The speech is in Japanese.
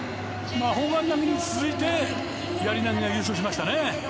砲丸投げに続いてやり投げで優勝しましたね。